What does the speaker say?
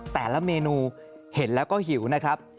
แต่ละเมนูเห็นแล้วก็หิวนะครับ